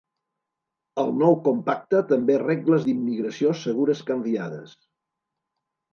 El nou Compacta també regles d'immigració segures canviades.